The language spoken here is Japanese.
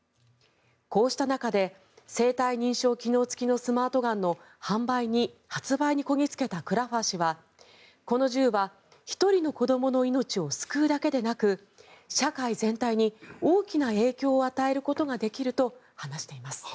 こうした中で生体認証機能付きのスマートガンの発売にこぎ着けたクラファー氏はこの銃は、１人の子どもの命を救うだけでなく社会全体に大きな影響を与えることができると話しています。